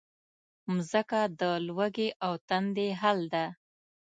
مځکه د لوږې او تندې حل ده.